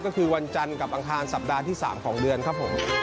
ก็คือวันจันทร์กับอังคารสัปดาห์ที่๓ของเดือนครับผม